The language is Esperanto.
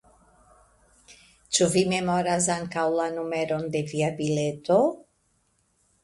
Ĉu vi memoras ankaŭ la numeron de via bileto?